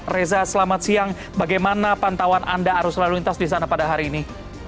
reza selamat siang bagaimana pantauan anda arus lalu lintas di sana pada hari ini